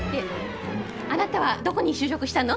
あなたはどこに就職したの？